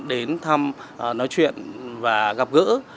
đến thăm nói chuyện và gặp gỡ